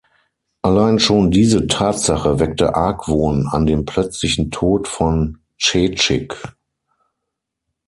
Allein schon diese Tatsache weckte Argwohn an dem plötzlichen Tod von Tschetschik.